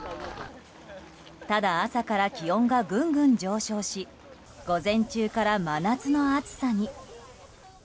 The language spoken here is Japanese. ただ、朝から気温がぐんぐん上昇し午前中から真夏の暑さに。